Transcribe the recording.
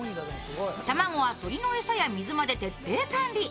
卵は鶏の餌や水まで徹底管理。